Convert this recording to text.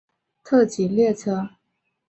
而那些列车绝大部分是急行与特急列车。